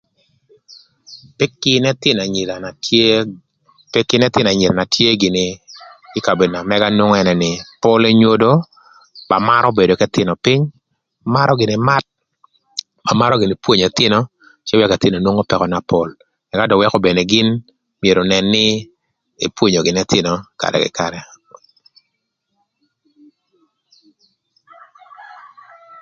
Kï kin ëthïnö anyira na tye gïnï ï kabedo na mëga nwongo nï pol enyodo ba marö bedo k'ëthïnö pïny , marö gïnï math, ba marö gïnï pwonyo ëthïnö cë wëkö ëthïnö nwongo peko na pol ëka weko bene gïn nën nï epwonyo gïnï ëthïnö karë kï karë.